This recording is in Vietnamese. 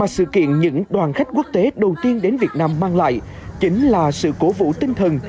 sự kiện những đoàn khách quốc tế đầu tiên đến việt nam mang lại chính là sự cổ vũ tinh thần